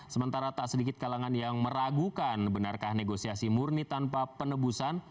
sementara tak sedikit kalangan yang meragukan benarkah negosiasi murni tanpa penebusan